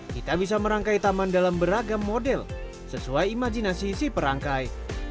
kita bisa merangkai taman dalam beragam model sesuai imajinasi si perangkai